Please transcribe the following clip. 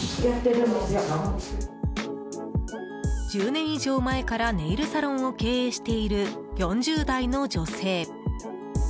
１０年以上前からネイルサロンを経営している４０代の女性。